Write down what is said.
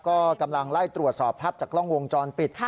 ก็กำลังไล่ตรวจสอบภาพจากกล้องวงจรปิด